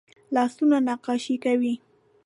لاسونه نقاشي کوي